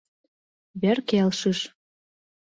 Вер келшыш.